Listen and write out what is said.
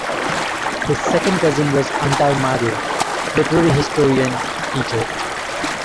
His second cousin was Antal Mádl literary historian, teacher.